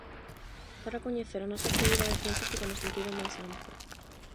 Dar a coñecer a nosa actividade científica no sentido máis amplo.